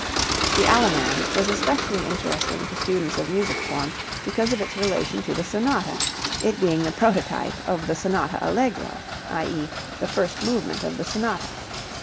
The allemande is especially interesting to students of music form because of its relation to the sonata, it being the prototype of the sonata allegro (i.e., the first movement of the sonata).